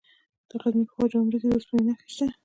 د غزني په خواجه عمري کې د اوسپنې نښې شته.